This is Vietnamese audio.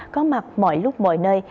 có mặt mọi lúc mọi nơi